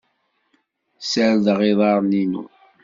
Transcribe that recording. Serdeɣ iḍaren-inu.